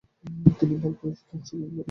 তিনি বালাকোটের যুদ্ধে অংশগ্রহণ করেন।